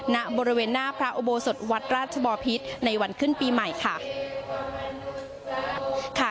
ณบริเวณหน้าพระอุโบสถวัดราชบอพิษในวันขึ้นปีใหม่ค่ะ